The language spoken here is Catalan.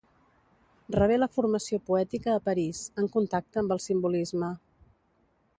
Rebé la formació poètica a París, en contacte amb el simbolisme.